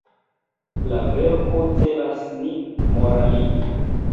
La verko celas nin moraligi.